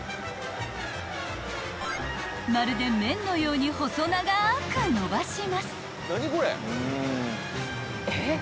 ［まるで麺のように細長くのばします］